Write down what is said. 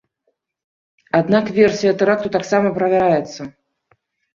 Аднак версія тэракту таксама правяраецца.